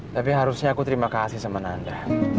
tapi harusnya aku terima kasih sama nanda